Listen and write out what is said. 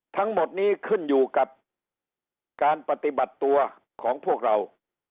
ทั้งหมดนี้ขึ้นอยู่กับการปฏิบัติตัวของพวกเรา